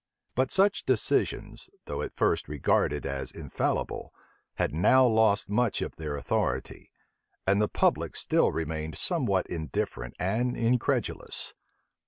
But such decisions, though at first regarded as infallible, had now lost much of their authority; and the public still remained somewhat indifferent and incredulous.